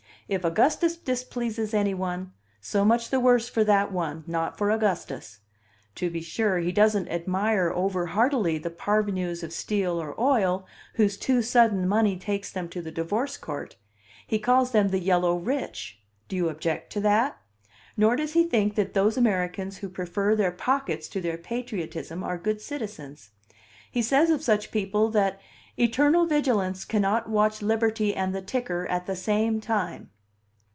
If Augustus displeases any one, so much the worse for that one, not for Augustus. To be sure, he doesn't admire over heartily the parvenus of steel or oil, whose too sudden money takes them to the divorce court; he calls them the 'yellow rich'; do you object to that? Nor does he think that those Americans who prefer their pockets to their patriotism, are good citizens. He says of such people that 'eternal vigilance cannot watch liberty and the ticker at the same time.